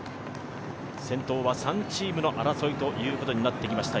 先頭は３チームの争いということになってきました。